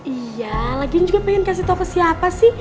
iya lagian juga pengen kasih tau ke siapa sih